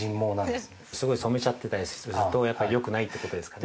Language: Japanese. すごい染めちゃってたりするとよくないってことですかね。